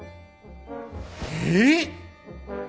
えっ！？